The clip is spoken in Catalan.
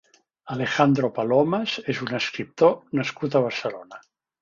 Alejandro Palomas és un escriptor nascut a Barcelona.